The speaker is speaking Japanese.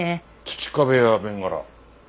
土壁やベンガラ？